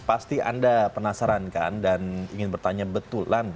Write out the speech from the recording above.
pasti anda penasaran kan dan ingin bertanya betulan